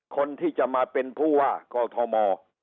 คนที่จะมาเป็นผู้ว่ากอทม